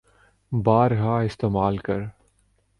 بارہا استعمال کر